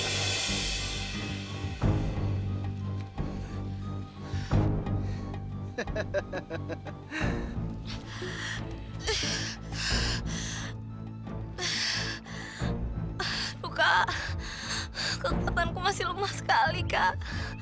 bukan kekuatanku masih lemah sekali kak